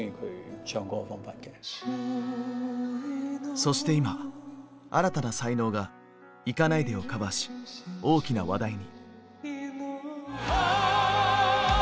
そして今新たな才能が「行かないで」をカバーし大きな話題に。